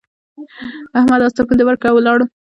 احمد اس ته پونده ورکړه او ولاړ.